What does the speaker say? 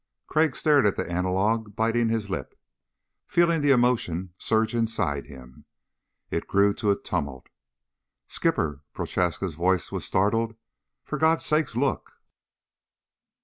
Crag stared at the analog, biting his lip, feeling the emotion surge inside him. It grew to a tumult. "Skipper!" Prochaska's voice was startled. "For God's sake ... look!"